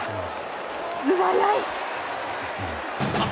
素早い！